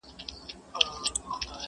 حقيقت د دود للاندي پټيږي تل,